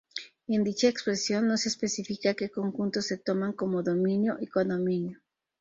En dicha expresión, no se especifica que conjuntos se toman como dominio y codominio.